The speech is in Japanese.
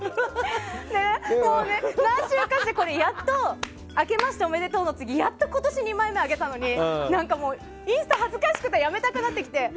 もうね、何周かしてあけましておめでとうのあとにやっと今年２枚目、上げたのにインスタ恥ずかしくてやめたくなってきて。